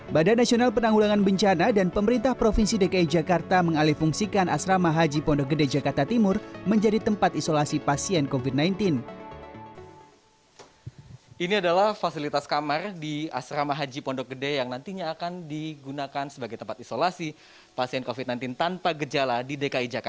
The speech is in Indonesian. badan nasional penanggulangan bencana dan pemerintah provinsi dki jakarta mengalih fungsikan asrama haji pondok gede jakarta timur menjadi tempat isolasi pasien covid sembilan belas